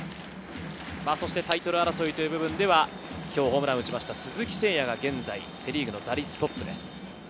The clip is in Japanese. タイトル争いという部分では今日、ホームランを打ちました鈴木誠也が現在セ・リーグの打率トップです。